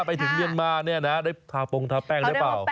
เขาเรียกว่าแป้งทานะคา